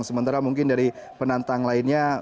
sementara mungkin dari penantang lainnya